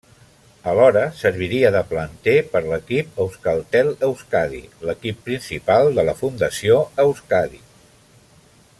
Alhora serviria de planter per l'equip Euskaltel-Euskadi, l'equip principal de la Fundació Euskadi.